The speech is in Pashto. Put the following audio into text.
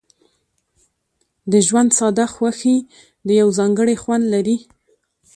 د ژوند ساده خوښۍ یو ځانګړی خوند لري.